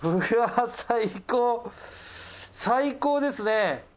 最高ですね！